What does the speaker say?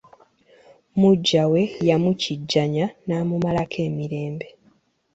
Muggya we yamukijjanya n'amumalako emirembe.